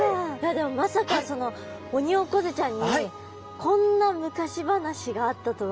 でもまさかそのオニオコゼちゃんにこんな昔話があったとは。